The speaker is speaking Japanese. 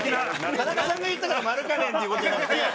田中さんが言ったからマルカネンっていう事じゃなくて。